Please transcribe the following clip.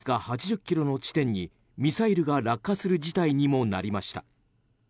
与那国島からわずか８０ｋｍの地点にミサイルが落下する事態にもなりました。